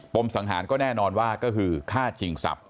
มสังหารก็แน่นอนว่าก็คือฆ่าชิงทรัพย